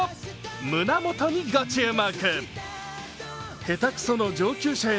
胸元にご注目。